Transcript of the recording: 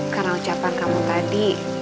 karena ucapan kamu tadi